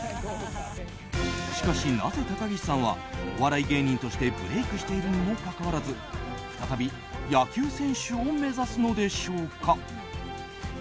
しかし、なぜ高岸さんはお笑い芸人としてブレークしているにもかかわらず再び野球選手を目指すのでしょうか。